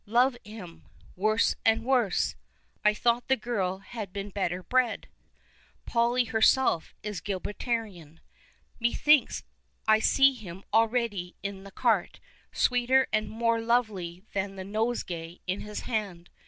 " Love him ! Worse and worse ! I thought the girl had been better bred." Polly herself is Gilbertian. " Methinks I see him already in the cart, sweeter and more lovely than the nosegay in his hand